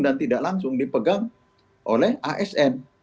dan tidak langsung dipegang oleh asn